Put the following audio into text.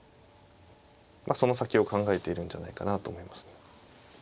まあその先を考えているんじゃないかなと思います。